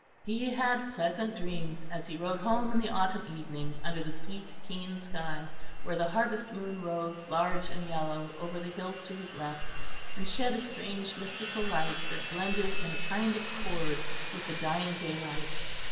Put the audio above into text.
He had pleasant dreams as he rode home in the autumn evening, under the sweet keen sky where the harvest moon rose large and yellow over the hills to his left and shed a strange mystical light that blended in a kind of chord with the dying daylight.